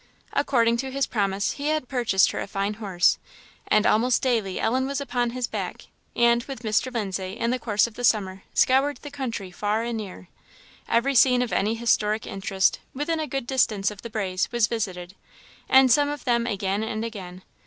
According to his promise, he had purchased her a fine horse, and almost daily Ellen was upon his back, and, with Mr. Lindsay, in the course of the summer, scoured the country, far and near. Every scene of any historic interest, within a good distance of "the Braes," was visited, and some of them again and again.